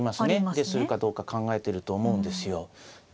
でするかどうか考えてると思うんですよ。